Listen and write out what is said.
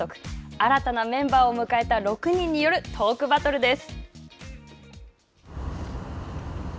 新たなメンバーを迎えた６人による、トークバトルです。